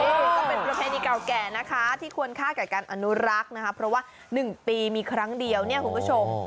นี่ก็เป็นประเพณีเก่าแก่นะคะที่ควรค่ากับการอนุรักษ์นะคะเพราะว่า๑ปีมีครั้งเดียวเนี่ยคุณผู้ชม